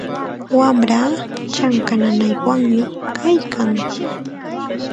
Wamraa chanka nanaywanmi kaykan.